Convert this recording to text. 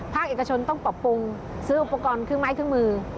เอกชนต้องปรับปรุงซื้ออุปกรณ์เครื่องไม้เครื่องมือ